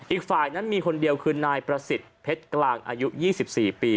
อีกฝ่ายนั้นมีคนเดียวคือนายประสิทธิ์เพชรกลางอายุ๒๔ปี